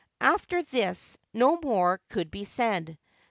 After this no more could be said.